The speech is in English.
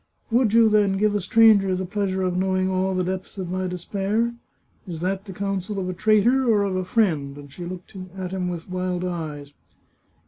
" Would you, then, give a stranger the pleasure of know ing all the depths of my despair? ... Is that the counsel of a traitor or of a friend ?" and she looked at him with wild eyes.